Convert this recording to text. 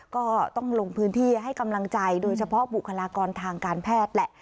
ก็ต้องลงพื้นที่ให้กำลังใจโดยเฉพาะบุคลากรทางการแพทย์แหละ